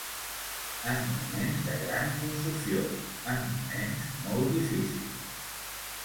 En moments de gran confusió, en moments molt difícils.